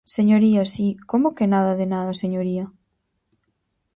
Señoría, si, ¿como que nada de nada, señoría?